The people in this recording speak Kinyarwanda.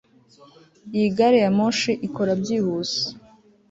Iyi gari ya moshi ikora byihuse